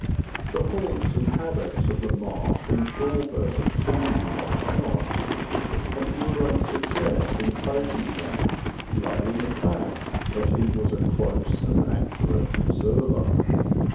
The haunts and habits of the marsh and shore birds he knew by heart, and his great success in taking them lay in the fact that he was a close and accurate observer.